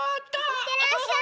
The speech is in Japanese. いってらっしゃい！